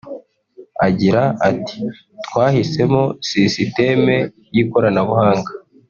Agira ati “Twahisemo sisiteme y’ikoranabuhanga